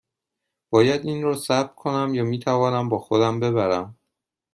باید این را ثبت کنم یا می توانم با خودم ببرم؟